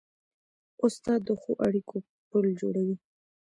استاد د ښو اړیکو پل جوړوي.